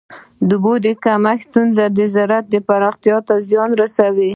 د اوبو د کمښت ستونزه د زراعت پراختیا ته زیان رسوي.